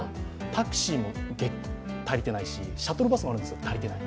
タクシーも足りてないしシャトルバスもあるんですけど足りてない。